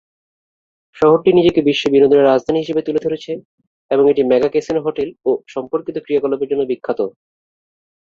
শহরটি নিজেকে বিশ্বে বিনোদনের রাজধানী হিসাবে তুলে ধরেছে এবং এটি মেগা ক্যাসিনো-হোটেল ও সম্পর্কিত ক্রিয়াকলাপের জন্য বিখ্যাত।